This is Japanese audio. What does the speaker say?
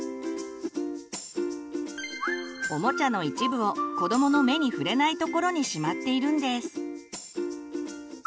おもちゃの一部を子どもの目に触れないところにしまっているんです。